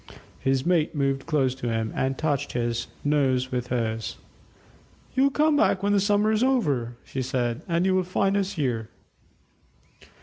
His mate moved close to him and touched his, nose with hers. "You'll come back when the summer is over," she said, "and you will find us here."